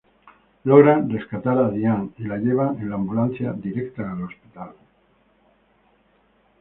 Logran rescatar a Diane y la llevan en la ambulancia director al hospital.